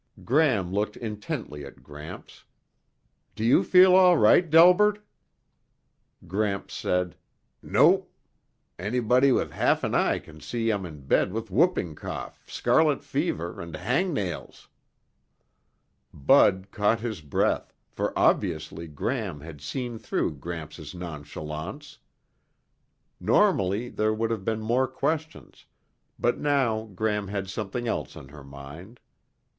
Gram looked intently at Gramps. "Do you feel all right, Delbert?" Gramps said, "Nope. Anybody with half an eye can see I'm in bed with whooping cough, scarlet fever and hangnails." Bud caught his breath, for obviously Gram had seen through Gramps' nonchalance. Normally there would have been more questions, but now Gram had something else on her mind.